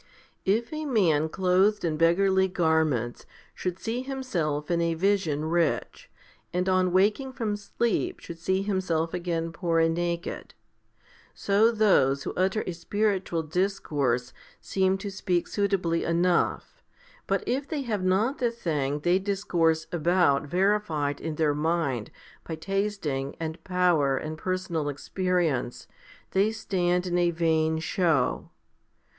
If a man clothed in beggarly garments should see himself in a vision rich, and on waking from sleep should see him self again poor and naked, so those who utter a spiritual discourse seem to speak suitably enough, but if they have not the thing they discourse about verified in their mind by tasting and power and personal experience, they stand in a vain show.